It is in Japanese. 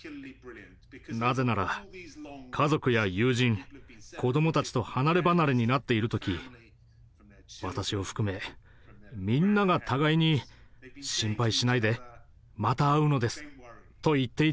なぜなら家族や友人子どもたちと離れ離れになっている時私を含めみんなが互いに「心配しないでまた会うのです」と言っていたからです。